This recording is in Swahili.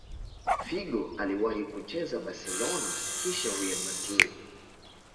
figo aliwahi kucheza barcelona kisha real madrid